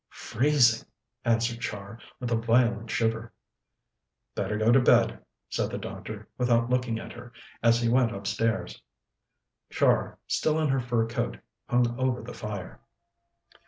"Freezing," answered Char, with a violent shiver. "Better go to bed," said the doctor, without looking at her, as he went upstairs. Char, still in her fur coat, hung over the fire.